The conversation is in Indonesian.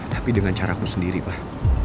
tapi dengan caraku sendiri pak